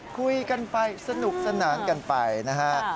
คุยกันไปสนุกสนานกันไปนะฮะ